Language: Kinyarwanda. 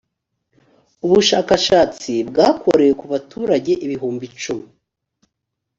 ubushakashatsi bwakorewe ku baturage ibihumbi cumi